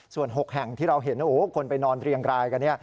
ส่วน๖แห่งที่เราเห็นคนไปนอนเรียงรายกัน